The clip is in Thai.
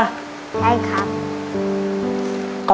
ได้ครับ